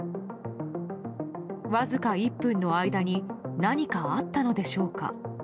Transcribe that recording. わずか１分の間に何かあったのでしょうか。